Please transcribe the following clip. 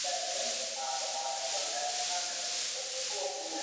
যুবরাজ এ-কাজ করিবেন ইহা বিশ্বাসযোগ্য নহে।